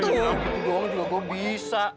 eh emang gitu doang juga gua bisa